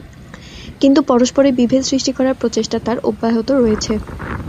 কিন্তু পরস্পরে বিভেদ সৃষ্টি করার প্রচেষ্টা তার অব্যাহত রয়েছে।